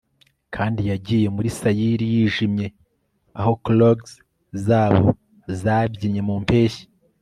kandi yagiye muri sayiri yijimye aho clogs zabo zabyinnye mu mpeshyi